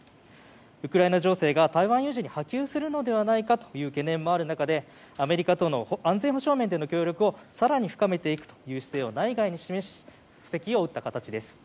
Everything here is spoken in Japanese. ウクライナ情勢が台湾有事に波及するのではないかという懸念もある中でアメリカとの安全保障面での協力を更に深めていくという姿勢を内外に示し布石を打った形です。